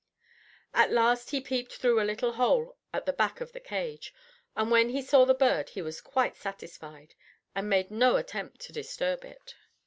At last he peeped through a little hole at the back of the cage, and when he saw the bird he was quite satisfied, and made no attempt to disturb it.